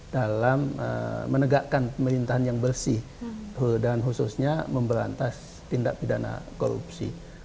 dalam menegakkan pemerintahan yang bersih dan khususnya memberantas tindak pidana korupsi